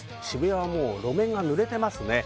渋谷はもう路面が濡れています。